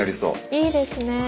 いいですね。